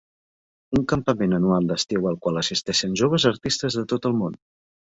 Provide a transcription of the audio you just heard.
Un campament anual d'estiu al qual assisteixen joves artistes de tot el món.